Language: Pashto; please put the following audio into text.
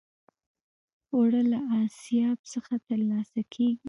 اوړه له آسیاب څخه ترلاسه کېږي